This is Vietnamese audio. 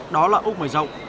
đó là úc mới rộng